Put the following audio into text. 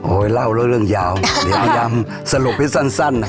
โอ่ยเล่าเรื่องยาวเดี๋ยวพี่ย่ำสรุปให้สั้น